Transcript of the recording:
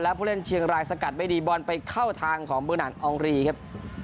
และผู้เล่นเชียงรายสกัดไม่ดีบอลไปเข้าทางของบูนันอองรีครับ